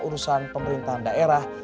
urusan pemerintahan daerah